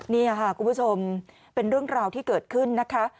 นี่ค่ะคุณผู้ชมเป็นเรื่องราวที่เกิดขึ้นนะคะ